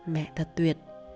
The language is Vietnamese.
mẹ thật tuyệt